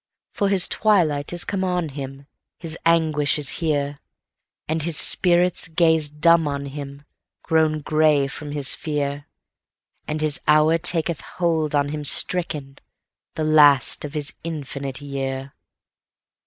For his twilight is come on him, His anguish is here; And his spirits gaze dumb on him, Grown gray from his fear; And his hour taketh hold on him stricken, the last of his infinite year.